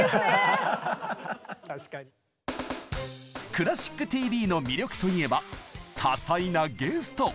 「クラシックＴＶ」の魅力といえば多彩なゲスト！